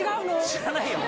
知らないよ！